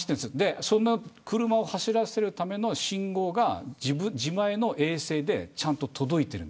その車を走らせるための信号が自前の衛星で届いているんです。